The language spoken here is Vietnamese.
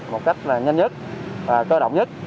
một cách là nhanh nhất và cơ động nhất